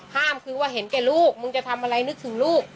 ห้ามคือว่าเห็นแก่ลูกมึงจะทำอะไรนึกถึงลูก